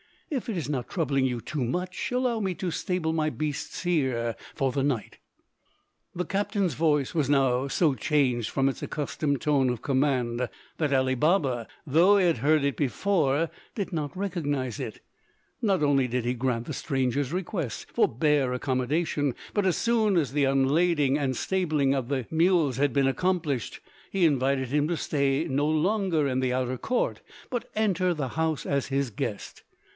If it is not troubling you too much, allow me to stable my beasts here for the night." [Illustration: "Sir," said he, "I have brought my oil a great distance to sell to morrow."] The captain's voice was now so changed from its accustomed tone of command, that Ali Baba, though he had heard it before, did not recognize it. Not only did he grant the stranger's request for bare accommodation, but as soon as the unlading and stabling of the mules had been accomplished, he invited him to stay no longer in the outer court but enter the house as his guest.